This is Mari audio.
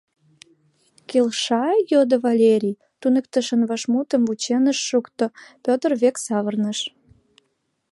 — Келша? — йодо Валерий, туныктышын вашмутшым вучен ыш шукто, Петр век савырныш.